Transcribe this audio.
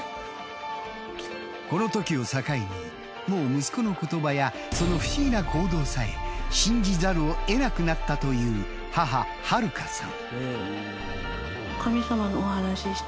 このときを境にもう息子の言葉やその不思議な行動さえ信じざるをえなくなったという母春香さん。